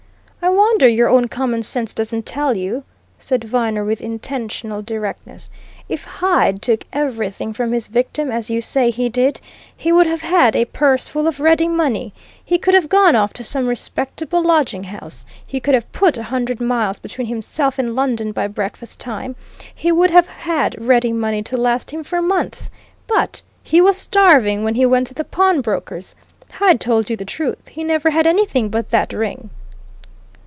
"I wonder your own common sense doesn't tell you," said Viner with intentional directness. "If Hyde took everything from his victim, as you say he did, he would have had a purse full of ready money. He could have gone off to some respectable lodging house. He could have put a hundred miles between himself and London by breakfast time. He would have had ready money to last him for months. But he was starving when he went to the pawnbrokers! Hyde told you the truth he never had anything but that ring."